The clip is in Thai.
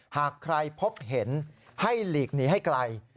หากใครพบเห็นให้หลีกหนีให้ไกล